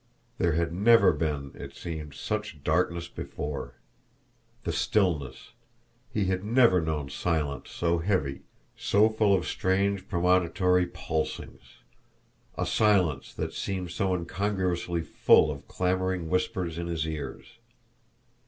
There had never been, it seemed, such darkness before! The stillness he had never known silence so heavy, so full of strange, premonitory pulsings; a silence that seemed so incongruously full of clamouring whispers in his ears!